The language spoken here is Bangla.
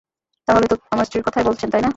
তাহলে তো আমার স্ত্রীর কথাই বলছেন, তাই না?